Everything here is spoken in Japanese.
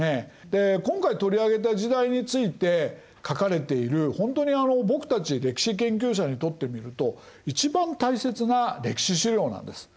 で今回取り上げた時代について書かれているほんとに僕たち歴史研究者にとってみると一番大切な歴史資料なんです。